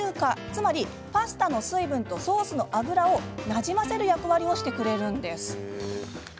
つまりパスタの水分とソースの油をなじませる役割をしてくれるんです。